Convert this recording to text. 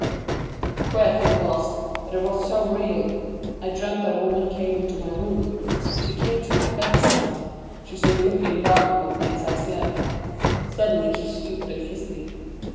"The queer thing was, that it was so real. I dreamt that a woman came into my room. She came to my bedside. She stood looking down upon me as I slept. Suddenly she stooped and kissed me.